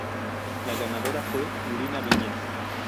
La ganadora fue Nuria Viñas.